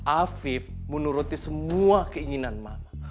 afif menuruti semua keinginan mama